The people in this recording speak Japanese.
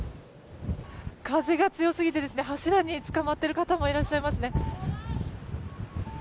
風が強すぎて柱につかまっている方もいらっしゃいますね。